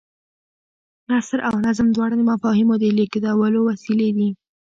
نثر او نظم دواړه د مفاهیمو د لېږدولو وسیلې دي.